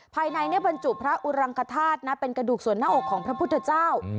ภายในบรรจุพระอุรังคธาตุนะเป็นกระดูกส่วนหน้าอกของพระพุทธเจ้า